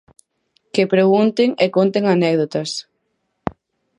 Que pregunten e conten anécdotas.